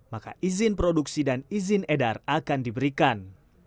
maka izin produksi dan izin edar akan diberikan